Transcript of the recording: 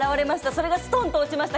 それがストンと落ちました。